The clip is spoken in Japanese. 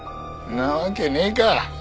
なわけねえか。